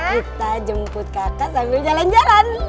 kita jemput kakak sambil jalan jalan